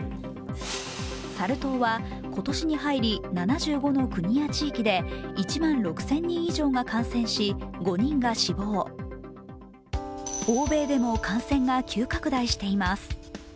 サル痘は今年に入り７５の国や地域で１万６０００人以上が感染し、５人が死亡欧米でも感染が急拡大しています。